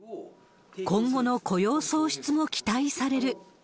今後の雇用創出も期待される。